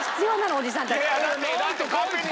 おじさんたち。